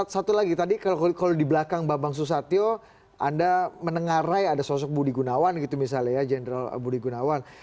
satu lagi tadi kalau di belakang bambang susatyo anda menengarai ada sosok budi gunawan gitu misalnya ya jenderal budi gunawan